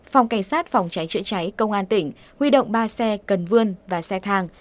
phòng cảnh sát phòng cháy chữa cháy công an tỉnh huy động ba xe cần vươn và xe thang